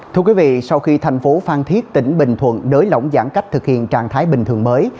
thưa quý vị sau khi thành phố phan thiết tỉnh bình thuận nới lỏng giãn cách thực hiện trạng thái bình thường mới